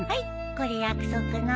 これ約束の。